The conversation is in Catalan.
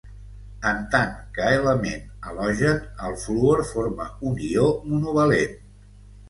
En tant que element halogen, el fluor forma un ió monovalent.